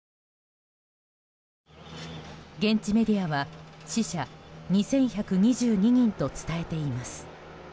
現地メディアは死者２１２２人と伝えています。